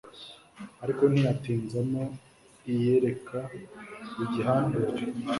ariko ntiyatinza mo iyereka igihandure